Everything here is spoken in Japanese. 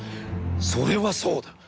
「それはそうだ。